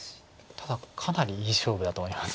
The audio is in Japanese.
ただかなりいい勝負だと思います